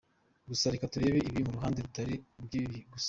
Gusa reka turebe ibi mu ruhande rutari urw’ibibi gusa.